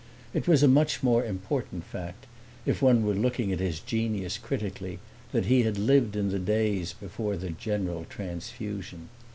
It was a much more important fact, if one were looking at his genius critically, that he had lived in the days before the general transfusion.